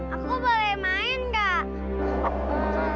aku boleh main gak